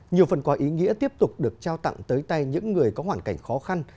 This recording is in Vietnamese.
nhiều phần quà ý nghĩa tiếp tục được trao tặng tới tay những người có hoàn cảnh khó khăn